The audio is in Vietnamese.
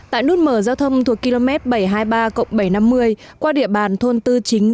tại nút mở giao thông thuộc km bảy trăm hai mươi ba bảy trăm năm mươi qua địa bàn thôn tư chính